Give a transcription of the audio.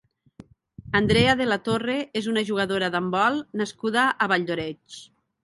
Andrea de la Torre és una jugadora d'handbol nascuda a Valldoreix.